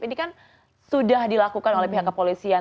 ini kan sudah dilakukan oleh pihak kepolisian